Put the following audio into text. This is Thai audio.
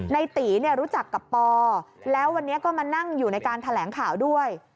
ในตีเนี่ยรู้จักกับปอแล้ววันนี้ก็มานั่งอยู่ในการแถลงข่าวด้วย